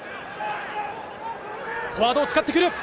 フォワードを使ってくる。